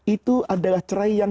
itu adalah cerai yang